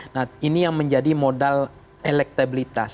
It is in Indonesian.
nah ini yang menjadi modal elektabilitas